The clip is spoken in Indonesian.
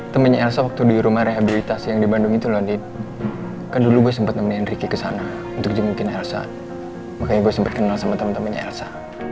temennya elsa waktu di rumah rehabilitasi yang di bandung itu londin kan dulu gue sempet nemenin ricky kesana untuk jemukin elsa makanya gue sempet kenal sama temen temennya elsa